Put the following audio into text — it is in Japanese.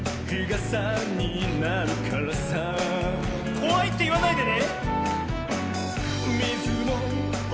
「こわい」っていわないでね。